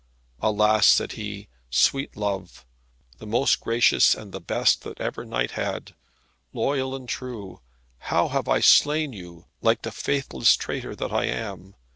"Alas," said he, "sweet love, the most gracious and the best that ever knight had, loyal and true, how have I slain you, like the faithless traitor that I am!